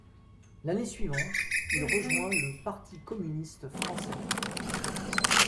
L'année suivante, il rejoint le Parti communiste français.